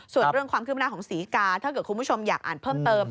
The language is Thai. ส่วนเรื่องความคืบหน้าของศรีกาถ้าเกิดคุณผู้ชมอยากอ่านเพิ่มเติม